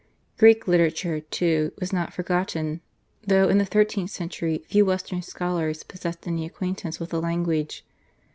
Greek literature, too, was not forgotten, though in the thirteenth century few western scholars possessed any acquaintance with the language.